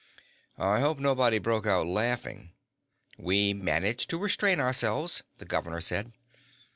"I hope nobody broke out laughing." "We managed to restrain ourselves," the governor said.